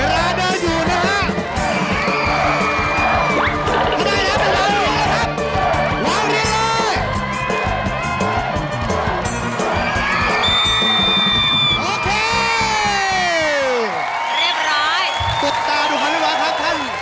เร็วแม่ครับ